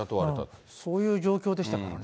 そういう状況でしたからね。